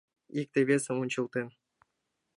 Икте-весым ончылтен.